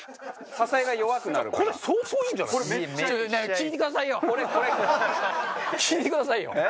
聞いてくださいよ！